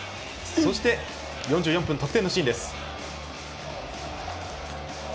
そして４４分、得点シーン。